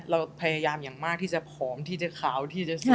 เราพยายามอย่างมากที่จะผอมที่จะขาวที่จะสวย